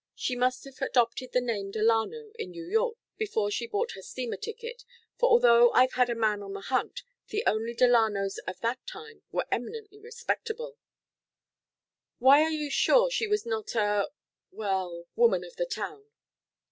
She must have adopted the name Delano in New York before she bought her steamer ticket, for although I've had a man on the hunt, the only Delanos of that time were eminently respectable " "Why are you sure she was not a well woman of the town?"